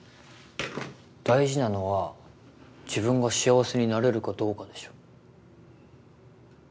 大事なのは自分が幸せになれるかどうかでしょ。